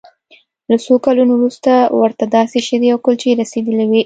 له څو کلونو وروسته ورته داسې شیدې او کلچې رسیدلې وې